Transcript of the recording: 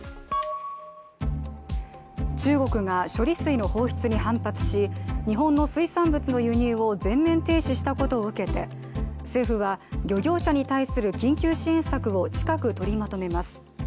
中国が処理水の放出に反発し日本の水産物の輸入を全面停止したことを受けて政府は漁業者に対する緊急支援策を近くとりまとめます。